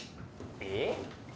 えっ？